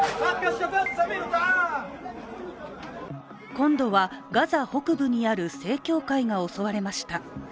今度はガザ北部にある正教会が襲われました。